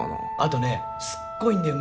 後ねすっごいんだよ